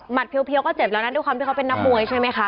เพียวก็เจ็บแล้วนะด้วยความที่เขาเป็นนักมวยใช่ไหมคะ